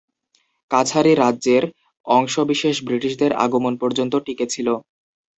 কাছাড়ি রাজ্যের অংশবিশেষ ব্রিটিশদের আগমন পর্যন্ত টিকে ছিল।